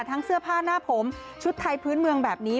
เสื้อผ้าหน้าผมชุดไทยพื้นเมืองแบบนี้